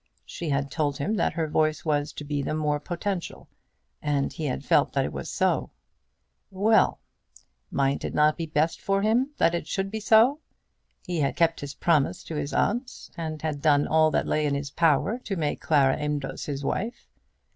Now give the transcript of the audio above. She had told him that her voice was to be the more potential, and he had felt that it was so. Well; might it not be best for him that it should be so? He had kept his promise to his aunt, and had done all that lay in his power to make Clara Amedroz his wife.